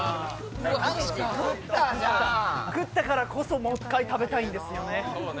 食ったからこそもう一回食べたいんですよね。